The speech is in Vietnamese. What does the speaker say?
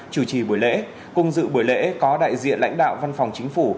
chủ trì buổi lễ cùng dự buổi lễ có đại diện lãnh đạo văn phòng chính phủ